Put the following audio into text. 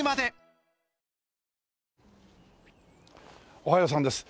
おはようさんです。